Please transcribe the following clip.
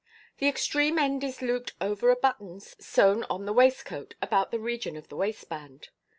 The extreme end is looped over a button sewn on the waistcoat about the region of the waistband.